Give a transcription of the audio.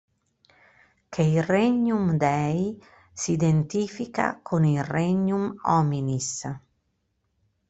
Che il Regnum Dei si identifica con il Regnum hominis.